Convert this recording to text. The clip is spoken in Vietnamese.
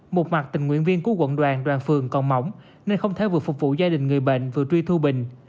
một mặt tình nguyện viên của quận đoàn phường còn mỏng nên không thể vừa phục vụ gia đình người bệnh vừa truy thu bình